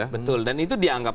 betul dan itu dianggap